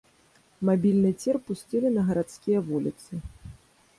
Мабільны цір пусцілі на гарадскія вуліцы.